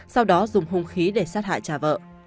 sau đó dùng hung khí để sát hại trả vợ